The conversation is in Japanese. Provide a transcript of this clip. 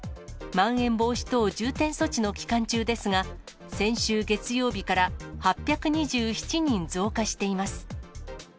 まん延防止等重点措置の期間中ですが、先週月曜日から８２７人増加しています。